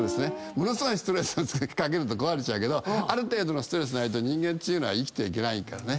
ものすごいストレスをかけると壊れちゃうけどある程度のストレスないと人間っていうのは生きていけないからね。